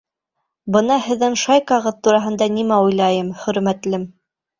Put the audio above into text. Бына һеҙҙең шайкағыҙ тураһында нимә уйлайым, хөрмәтлем!